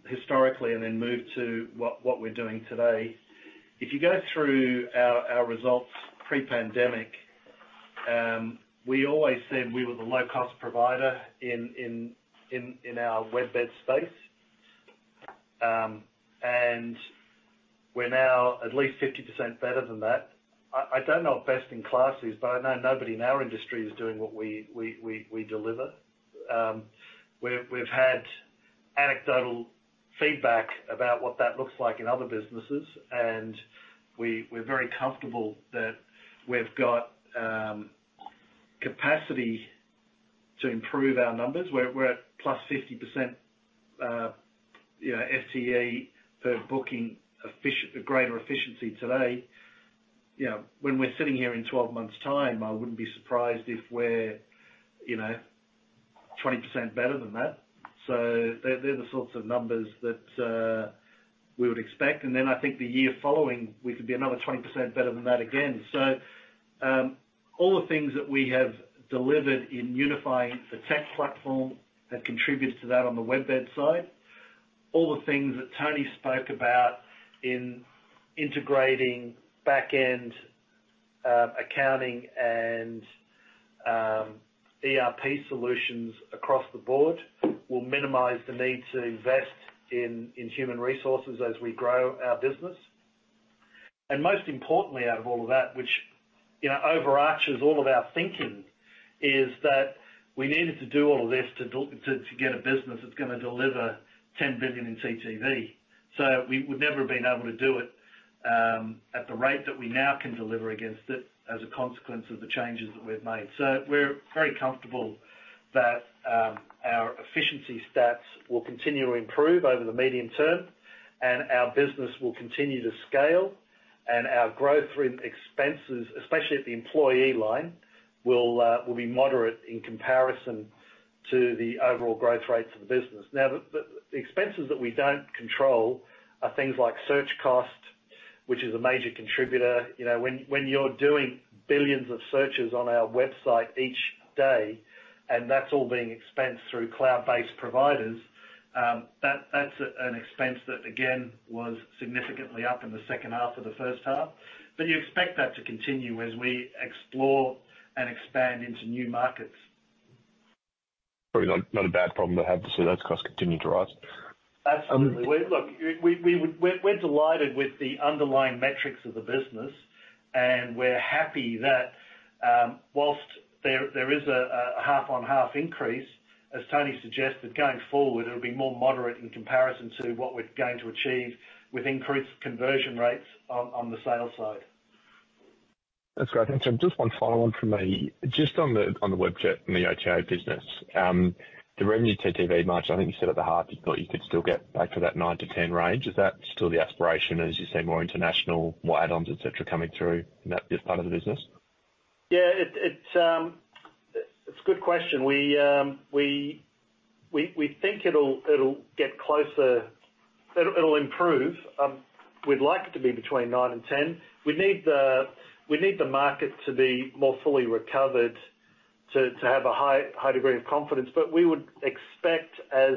historically and then move to what we're doing today. If you go through our results pre-pandemic, we always said we were the low-cost provider in our WebBeds space. We're now at least 50% better than that. I don't know what best in class is, but I know nobody in our industry is doing what we deliver. We've had anecdotal feedback about what that looks like in other businesses, and we're very comfortable that we've got capacity to improve our numbers. We're at +50%, you know, FTE per booking greater efficiency today. You know, when we're sitting here in 12 months time, I wouldn't be surprised if we're, you know, 20% better than that. They're the sorts of numbers that we would expect. I think the year following, we could be another 20% better than that again. All the things that we have delivered in unifying the tech platform have contributed to that on the WebBeds side. All the things that Tony spoke about in integrating back-end accounting and ERP solutions across the board will minimize the need to invest in human resources as we grow our business. Most importantly, out of all of that, which, you know, overarches all of our thinking, is that we needed to do all of this to get a business that's gonna deliver $10 billion in TTV. We would never have been able to do it at the rate that we now can deliver against it as a consequence of the changes that we've made. We're very comfortable that our efficiency stats will continue to improve over the medium term, and our business will continue to scale, and our growth rate expenses, especially at the employee line, will be moderate in comparison to the overall growth rates of the business. The expenses that we don't control are things like search cost, which is a major contributor. You know, when you're doing billions of searches on our website each day, and that's all being expensed through cloud-based providers, that's an expense that, again, was significantly up in the second half or the first half. You expect that to continue as we explore and expand into new markets. Probably not a bad problem to have to see those costs continue to rise. Absolutely. Look, we're delighted with the underlying metrics of the business, and we're happy that, whilst there is a half-on-half increase, as Tony suggested, going forward, it'll be more moderate in comparison to what we're going to achieve with increased conversion rates on the sales side. That's great. Just one final one from me. Just on the, on the Webjet and the OTA business, the Revenue TTV margin, I think you said at the heart you thought you could still get back to that 9%-10% range. Is that still the aspiration as you see more international, more add-ons, et cetera, coming through in that part of the business? Yeah. It's a good question. We think it'll get closer. It'll improve. We'd like it to be between nine and 10. We need the market to be more fully recovered to have a high degree of confidence. We would expect as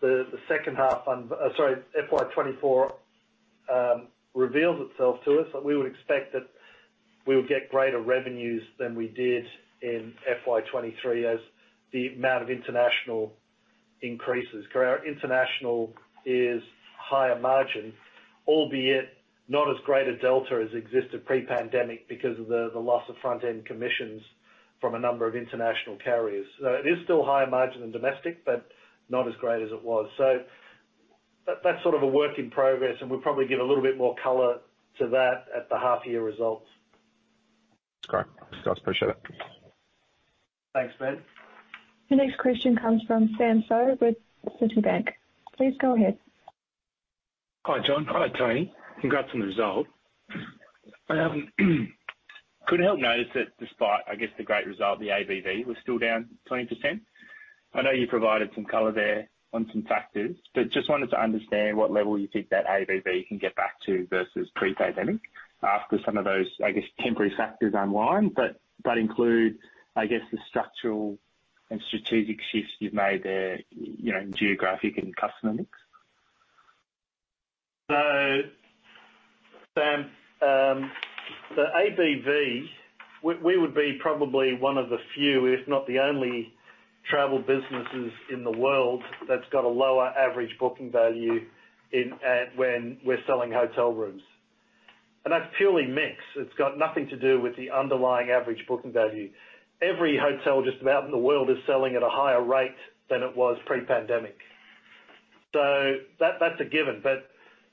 the second half FY 2024 reveals itself to us, that we would expect that we would get greater revenues than we did in FY 2023 as the amount of international increases. Correct. International is higher margin, albeit not as great a delta as existed pre-pandemic because of the loss of front-end commissions from a number of international carriers. It is still higher margin than domestic, but not as great as it was. That's sort of a work in progress, and we'll probably give a little bit more color to that at the half-year results. Great. Thanks, guys. Appreciate it. Thanks, Ben. The next question comes from Sam Seow with Citibank. Please go ahead. Hi, John. Hi, Tony. Congrats on the result. Couldn't help notice that despite, I guess, the great result, the ABV was still down 20%. I know you provided some color there on some factors, just wanted to understand what level you think that ABV can get back to versus pre-pandemic after some of those, I guess, temporary factors unwind. That includes, I guess, the structural and strategic shifts you've made there, you know, in geographic and customer mix. Sam, the ABV, we would be probably one of the few, if not the only travel businesses in the world that's got a lower average booking value in when we're selling hotel rooms. That's purely mix. It's got nothing to do with the underlying average booking value. Every hotel just about in the world is selling at a higher rate than it was pre-pandemic. That's a given.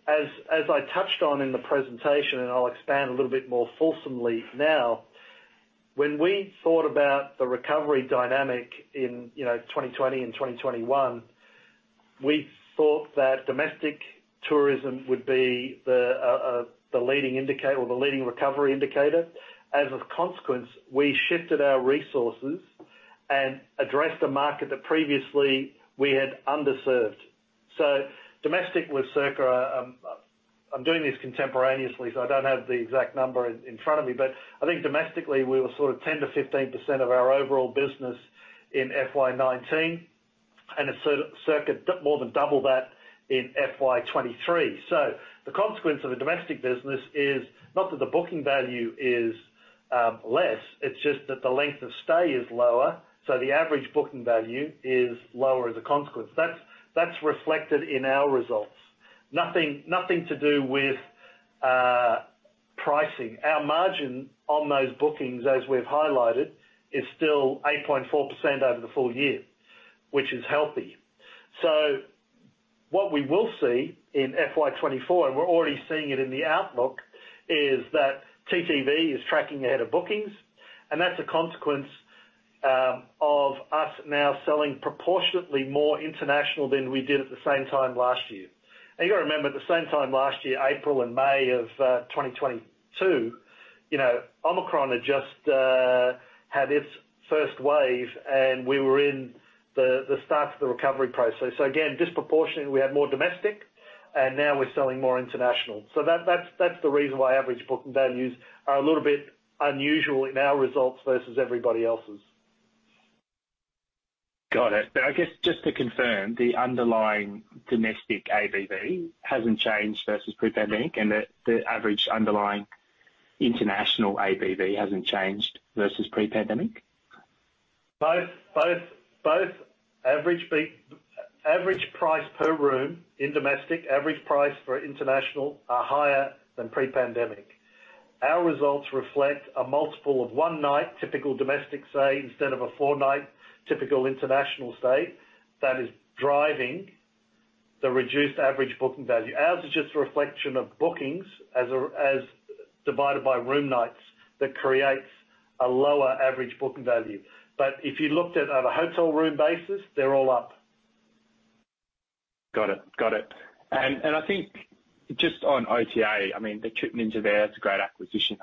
As I touched on in the presentation, and I'll expand a little bit more fulsomely now, when we thought about the recovery dynamic in, you know, 2020 and 2021, we thought that domestic tourism would be the leading indicator or the leading recovery indicator. As a consequence, we shifted our resources and addressed the market that previously we had underserved. Domestic was circa, I'm doing this contemporaneously, so I don't have the exact number in front of me. I think domestically, we were sort of 10%-15% of our overall business in FY 2019, and it's sort of circa more than double that in FY 2023. The consequence of a domestic business is not that the booking value is less, it's just that the length of stay is lower, so the average booking value is lower as a consequence. That's reflected in our results. Nothing to do with pricing. Our margin on those bookings, as we've highlighted, is still 8.4% over the full year, which is healthy. What we will see in FY 2024, and we're already seeing it in the outlook, is that TTV is tracking ahead of bookings. That's a consequence of us now selling proportionately more international than we did at the same time last year. You gotta remember, at the same time last year, April and May of 2022, you know, Omicron had just had its first wave, and we were in the start of the recovery process. Again, disproportionately, we had more domestic, and now we're selling more international. That's the reason why average booking values are a little bit unusual in our results versus everybody else's. Got it. I guess just to confirm, the underlying domestic ABV hasn't changed versus pre-pandemic, the average underlying international ABV hasn't changed versus pre-pandemic. Both average price per room in domestic, average price for international are higher than pre-pandemic. Our results reflect a multiple of one night typical domestic stay instead of a four-night typical international stay. That is driving the reduced average booking value. Ours is just a reflection of bookings as divided by room nights that creates a lower average booking value. If you looked at a hotel room basis, they're all up. Got it. Got it. I think just on OTA, I mean, the Trip Ninja there, it's a great acquisition.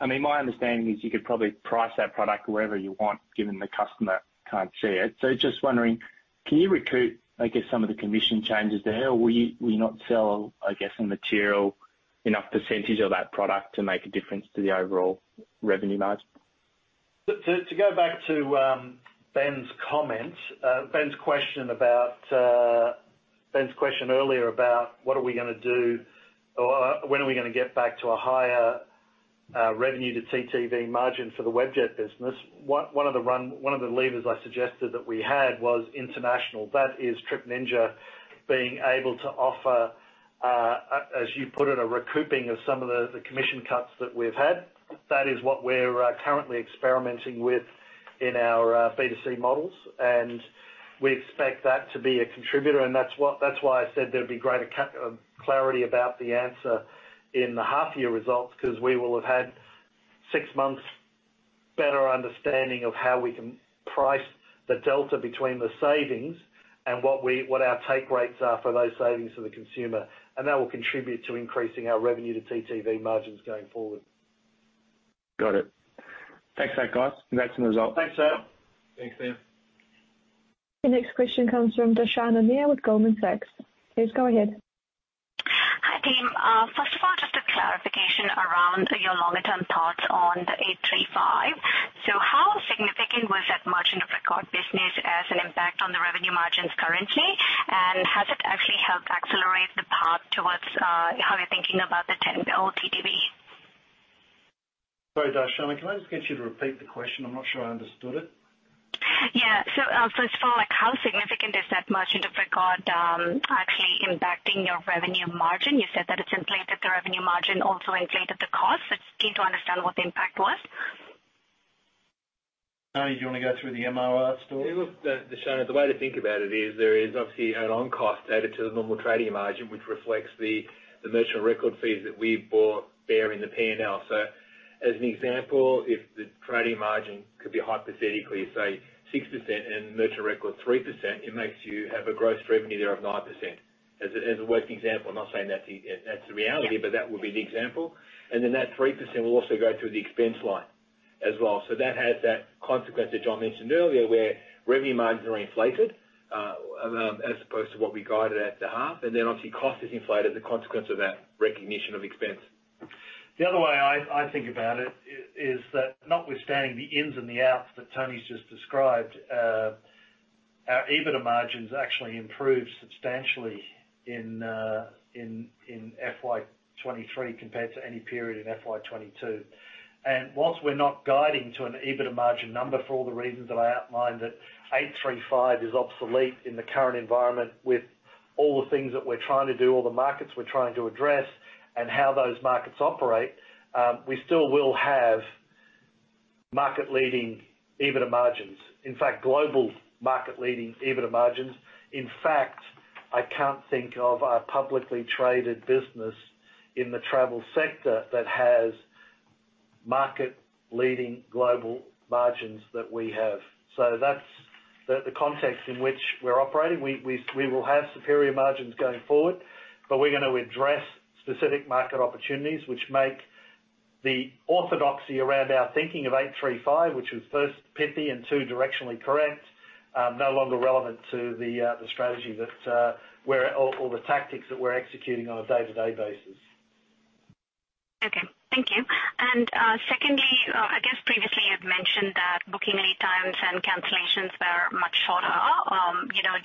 I mean, my understanding is you could probably price that product wherever you want, given the customer can't see it. Just wondering, can you recoup, I guess, some of the commission changes? Will you not sell, I guess, a material enough % of that product to make a difference to the overall revenue margin? To go back to Ben's comment, Ben's question earlier about what are we gonna do or when are we gonna get back to a higher revenue TTV margin for the Webjet business. One of the levers I suggested that we had was international. That is Trip Ninja being able to offer, as you put it, a recouping of some of the commission cuts that we've had. That is what we're currently experimenting with in our B2C models, and we expect that to be a contributor, that's why I said there'd be greater clarity about the answer in the half year results, 'cause we will have had six months better understanding of how we can price the delta between the savings and what our take rates are for those savings for the consumer. That will contribute to increasing our revenue to TTV margins going forward. Got it. Thanks for that, guys. Congrats on the result. Thanks, Sam. Thanks, Sam. The next question comes from Darshana Nair with Goldman Sachs. Please go ahead. Hi, team. First of all, just a clarification around your longer-term thoughts on the 8/3/5. How significant was that Merchant of Record business as an impact on the revenue margins currently? Has it actually helped accelerate the path towards how you're thinking about the $10 billion TTV? Sorry, Darshana, can I just get you to repeat the question? I'm not sure I understood it. Yeah. It's for like how significant is that Merchant of Record, actually impacting your revenue margin? You said that it's inflated the revenue margin, also inflated the cost. Just keen to understand what the impact was. Tony, do you wanna go through the MOR story? Darshana, the way to think about it is there is obviously an on cost added to the normal trading margin, which reflects the Merchant of Record fees that we've bought bearing the P&L. As an example, if the trading margin could be hypothetically, say, 6% and Merchant of Record 3%, it makes you have a gross revenue there of 9%. As a, as a working example, I'm not saying that's the, that's the reality, but that would be the example. That 3% will also go through the expense line as well. That has that consequence that John mentioned earlier, where revenue margins are inflated as opposed to what we guided at the half. Obviously, cost is inflated, the consequence of that recognition of expense. The other way I think about it is that notwithstanding the ins and the outs that Tony's just described, our EBITDA margins actually improved substantially in FY 2023 compared to any period in FY 2022. Whilst we're not guiding to an EBITDA margin number for all the reasons that I outlined, that 8/3/5 is obsolete in the current environment with all the things that we're trying to do, all the markets we're trying to address and how those markets operate, we still will have market-leading EBITDA margins. In fact, global market-leading EBITDA margins. In fact, I can't think of a publicly traded business in the travel sector that has market-leading global margins that we have. That's the context in which we're operating. We will have superior margins going forward, but we're gonna address specific market opportunities which make the orthodoxy around our thinking of 8/3/5, which was first, pithy, and two, directionally correct, no longer relevant to the strategy that or the tactics that we're executing on a day-to-day basis. Okay. Thank you. Secondly, I guess previously you've mentioned that booking lead times and cancellations were much shorter, you know,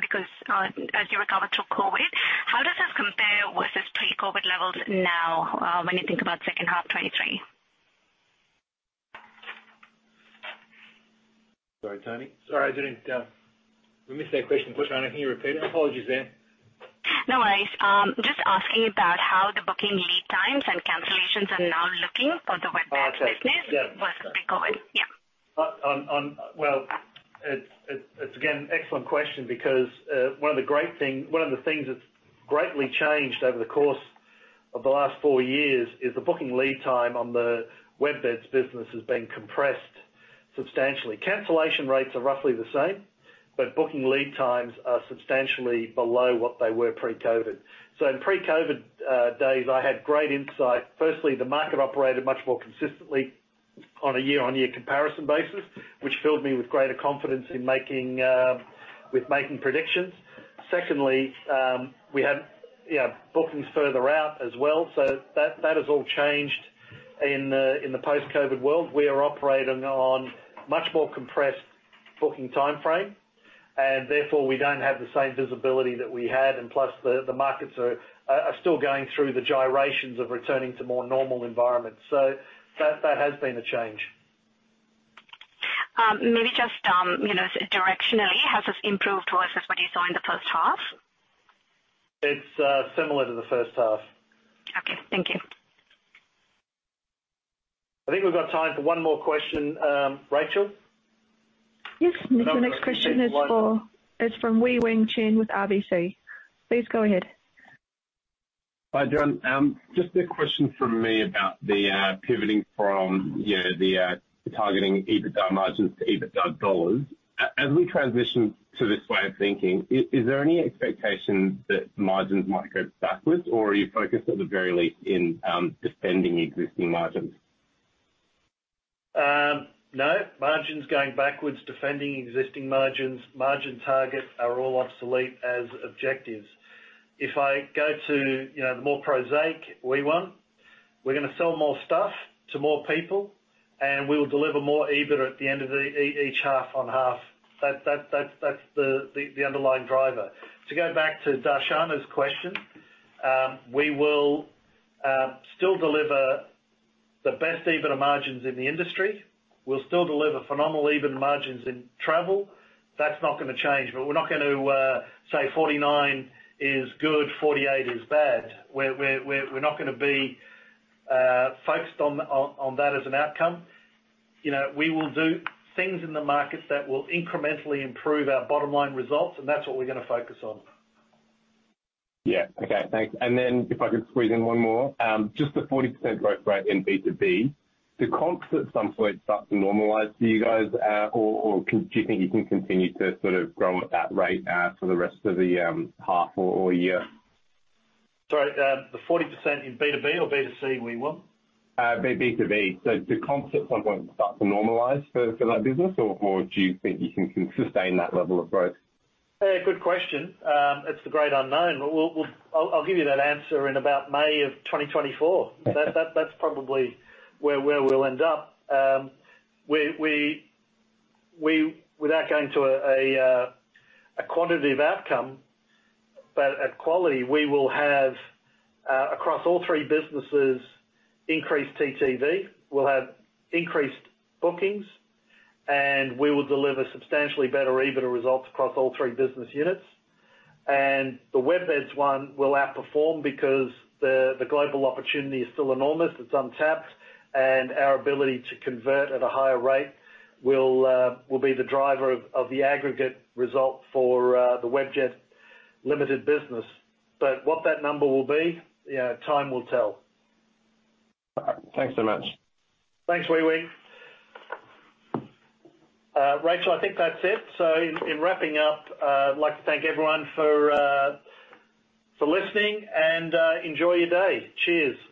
because as you recovered through COVID. How does this compare with the pre-COVID levels now, when you think about second half 2023? Sorry, Tony. Sorry, I didn't, we missed that question. Push on it. Can you repeat it? Apologies there. No worries. Just asking about how the booking lead times and cancellations are now looking on the Webjet business? Oh, I see. Yeah. post the COVID. Yeah. Well, it's again, excellent question because one of the things that's greatly changed over the course of the last four years is the booking lead time on the WebBeds business has been compressed substantially. Cancellation rates are roughly the same, booking lead times are substantially below what they were pre-COVID. In pre-COVID days, I had great insight. Firstly, the market operated much more consistently on a year-on-year comparison basis, which filled me with greater confidence in making predictions. Secondly, we had, you know, bookings further out as well. That has all changed in the post-COVID world. We are operating on much more compressed booking timeframe, therefore we don't have the same visibility that we had. Plus the markets are still going through the gyrations of returning to more normal environments. That, that has been a change. Maybe just, you know, directionally, has this improved versus what you saw in the first half? It's similar to the first half. Okay, thank you. I think we've got time for one more question. Rachel? Yes. The next question is from Wei-Weng Chen with RBC. Please go ahead. Hi, John. Just a question from me about the, you know, targeting EBITDA margins to EBITDA dollars. As we transition to this way of thinking, is there any expectation that margins might go backwards or are you focused at the very least in defending existing margins? No. Margins going backwards, defending existing margins, margin targets are all obsolete as objectives. If I go to, you know, the more prosaic we want, we're gonna sell more stuff to more people, and we'll deliver more EBIT at the end of each half on half. That's the underlying driver. To go back to Darshana's question, we will still deliver the best EBITA margins in the industry. We'll still deliver phenomenal EBIT margins in travel. That's not gonna change, but we're not going to say 49 is good, 48 is bad. We're not gonna be focused on that as an outcome. You know, we will do things in the markets that will incrementally improve our bottom-line results, and that's what we're gonna focus on. Yeah. Okay. Thanks. If I could squeeze in one more. Just the 40% growth rate in B2B, do comps at some point start to normalize for you guys, or do you think you can continue to sort of grow at that rate for the rest of the half or year? Sorry, the 40% in B2B or B2C we want? B2B. Do comps at some point start to normalize for that business? Or do you think you can sustain that level of growth? Yeah, good question. It's the great unknown. I'll give you that answer in about May of 2024. That's probably where we'll end up. Without going to a quantitative outcome, but at quality, we will have, across all three businesses, increased TTV. We'll have increased bookings, we will deliver substantially better EBITDA results across all three business units. The WebBeds one will outperform because the global opportunity is still enormous. It's untapped, and our ability to convert at a higher rate will be the driver of the aggregate result for the Webjet Limited business. What that number will be, you know, time will tell. All right. Thanks so much. Thanks, Wei-Weng. Rachel, I think that's it. In wrapping up, I'd like to thank everyone for listening and, enjoy your day. Cheers.